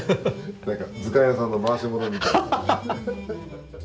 何か図鑑屋さんの回し者みたい。